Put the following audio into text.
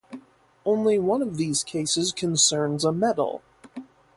Only one of these cases concerns a medal.